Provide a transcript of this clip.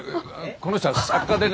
この人は作家でね。